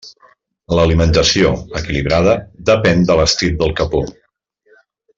L'alimentació, equilibrada, depèn de l'estirp del capó.